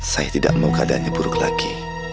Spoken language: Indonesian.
saya tidak mau keadaannya buruk lagi